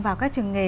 và các trường nghề